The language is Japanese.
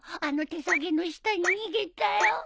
あの手提げの下に逃げたよ。